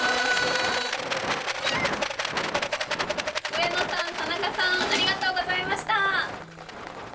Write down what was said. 上野さん、田中さんありがとうございました。